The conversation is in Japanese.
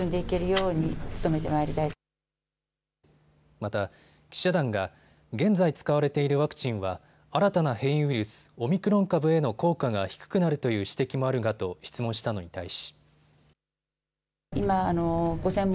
また、記者団が現在使われているワクチンは新たな変異ウイルス、オミクロン株への効果が低くなるという指摘もあるがと質問したのに対し。